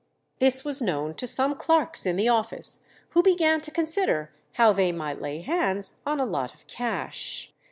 This was known to some clerks in the office, who began to consider how they might lay hands on a lot of cash.